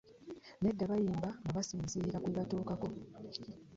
Nedda bayimba nga bakusinziira kubibatuukako.